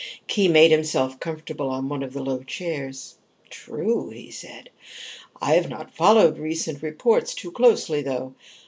Khee made himself comfortable on one of the low chairs. "True," he said. "I have not followed recent reports too closely, though.